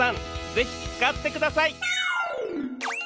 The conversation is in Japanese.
ぜひ使ってください